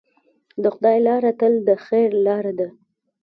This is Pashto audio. د خدای لاره تل د خیر لاره ده.